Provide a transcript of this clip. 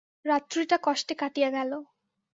রাত্রিটা কষ্টে কাটিয়া গেল।